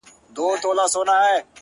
• څوك دي د جاناني كيسې نه كوي؛